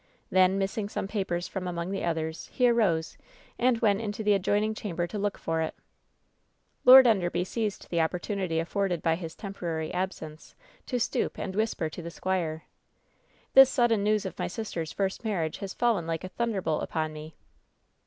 Then, missing some papers from among the others, he arose and went into the adjoining chamber to look for it. Lord Enderby seized the opportunity afforded by his temporary absence to stoop and whisper to the squire : "This sudden news of my sister's first marriage has fallen like a thunderbolt upon me